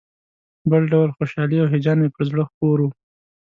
بل ډول خوشالي او هیجان مې پر زړه خپور و.